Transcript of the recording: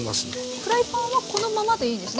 フライパンはこのままでいいんですね？